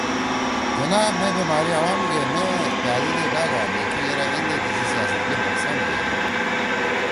جناح مے بیمأری عوام گے مے بأدیدے ڈاگا نِکی یِرأ ایندے تیِسی سیاست کے نقصان یے نین